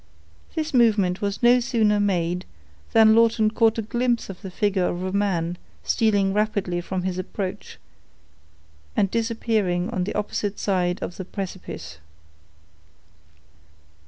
This movement was no sooner made, than Lawton caught a glimpse of the figure of a man stealing rapidly from his approach, and disappearing on the opposite side of the precipice.